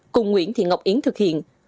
cùng nguyễn thị ngọc yến thực hiện